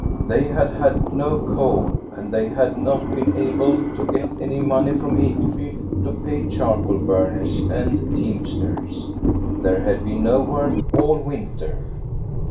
They had had no coal, and they had not been able to get any money from Ekeby to pay charcoal burners and teamsters. There had been no work all winter.